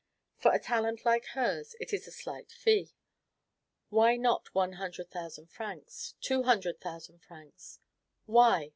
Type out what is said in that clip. For a talent like hers, it is a slight fee. Why not one hundred thousand francs, two hundred thousand francs? Why!